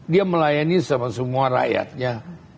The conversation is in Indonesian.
dia melayani sama semua rakyatnya